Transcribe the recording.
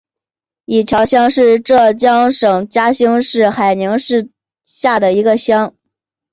伊桥乡是浙江省嘉兴市海宁市下的一个乡。